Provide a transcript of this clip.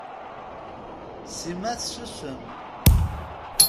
Sima tessusem.